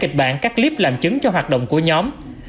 các clip làm chứng cho hoạt động của nhóm